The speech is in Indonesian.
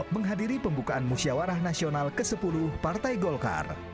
menghadiri pembukaan musyawarah nasional ke sepuluh partai golkar